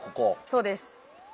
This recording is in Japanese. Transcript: そうです。